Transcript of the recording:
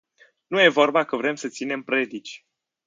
Nu e vorba că vrem să ținem predici.